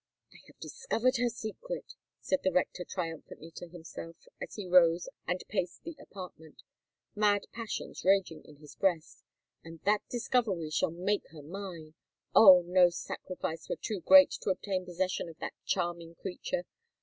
"I have discovered her secret!" said the rector triumphantly to himself, as he rose and paced the apartment, mad passions raging in his breast; "and that discovery shall make her mine. Oh! no sacrifice were too great to obtain possession of that charming creature!